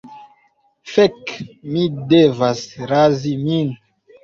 Fek' mi devas razi min